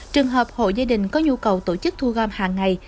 trường hợp hội gia đình có nhu cầu tổ chức thu gom hàng ngày